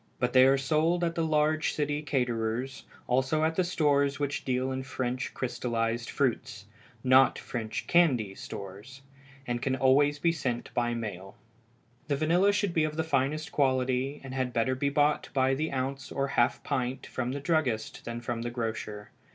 But they are sold at the large city caterers', also at the stores which deal in French crystallized fruits not French candy stores and can always be sent by mail. The vanilla should be of the finest quality, and had better be bought by the ounce or half pint from the druggist than from the grocer.